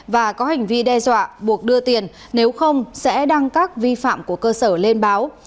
và có hành vi đe dọa buộc đưa tiền nếu không sẽ đăng các vi phạm của cơ sở lên báo